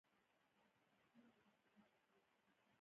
د کانکور امادګۍ کورسونه سوداګري ده؟